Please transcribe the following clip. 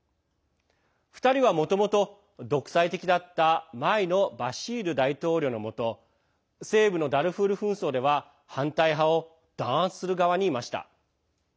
２人はもともと、独裁的だった前のバシール大統領の下西部のダルフール紛争では反対派を弾圧する側にいました。